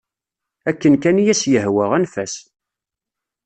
Akken kan i as-yehwa, anef-as.